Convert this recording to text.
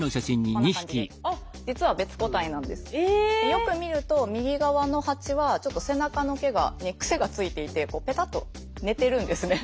よく見ると右側のハチはちょっと背中の毛がね癖がついていてペタッと寝てるんですね。